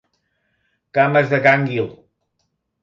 Cames de gànguil.